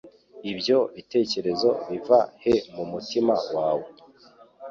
ibyo bitekerezo biva he mumutima wawe